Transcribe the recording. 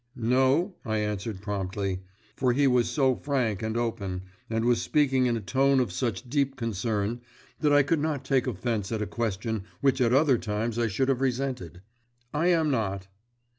"No," I answered promptly; for he was so frank and open, and was speaking in a tone of such deep concern, that I could not take offence at a question which at other times I should have resented. "I am not."